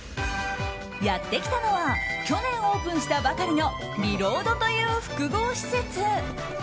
やってきたのは去年オープンしたばかりのリロードという複合施設。